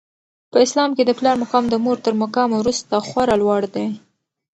په اسلام کي د پلار مقام د مور تر مقام وروسته خورا لوړ دی.